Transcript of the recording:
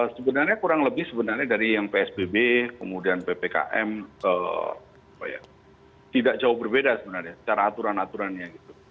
sebenarnya kurang lebih sebenarnya dari yang psbb kemudian ppkm tidak jauh berbeda sebenarnya secara aturan aturannya gitu